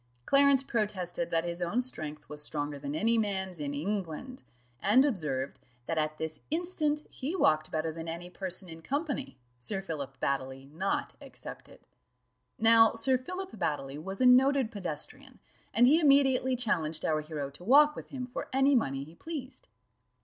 Clarence protested that his own was stronger than any man's in England, and observed, that at this instant he walked better than any person in company, Sir Philip Baddely not excepted. Now Sir Philip Baddely was a noted pedestrian, and he immediately challenged our hero to walk with him for any money he pleased.